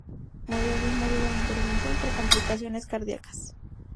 Murió el mismo día de la intervención por complicaciones cardiacas.